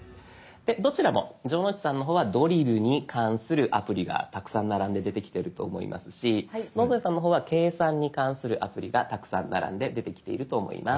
どちらも城之内さんの方はドリルに関するアプリがたくさん並んで出てきてると思いますし野添さんの方は計算に関するアプリがたくさん並んで出てきていると思います。